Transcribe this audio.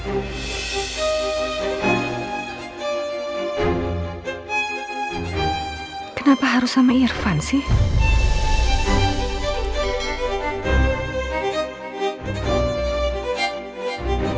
jadi karena tak tahu siapa siapa